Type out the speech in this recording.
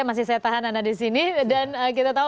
masih saya tahan anda di sini dan kita tahu